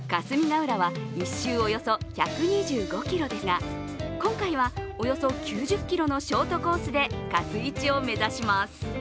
霞ヶ浦は１周およそ１２５ｋｍですが、今回はおよそ９０ｋｍのショートコースでかすいちを目指します。